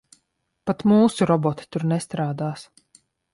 Pat mūsu roboti tur nestrādās.